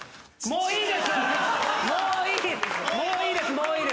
もういいですもう。